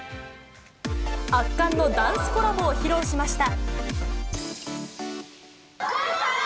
圧巻のダンスコラボを披露しました。